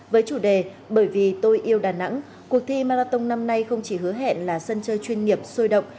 với chủ đề bởi vì tôi yêu đà nẵng cuộc thi marathon năm nay không chỉ hứa hẹn là sân chơi chuyên nghiệp sôi động